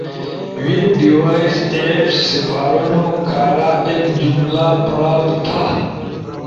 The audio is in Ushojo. ویپ ڈیوائس ایپس سپارونو کارا ایک جملہ پڑاؤ تھا